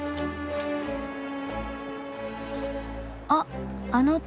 あっあの塔！